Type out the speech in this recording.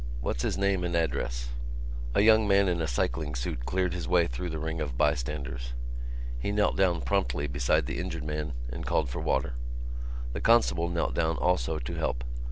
What's his name and address?" A young man in a cycling suit cleared his way through the ring of bystanders. He knelt down promptly beside the injured man and called for water. The constable knelt down also to help.